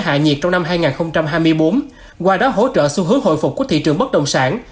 hạ nhiệt trong năm hai nghìn hai mươi bốn qua đó hỗ trợ xu hướng hồi phục của thị trường bất động sản